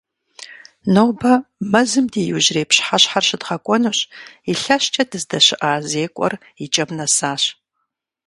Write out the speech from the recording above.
Нобэ мэзым ди иужьрей пщыхьэщхьэр щыдгъэкӏуэнущ, илъэскӀэ дыздэщыӀа зекӀуэр и кӏэм нэсащ.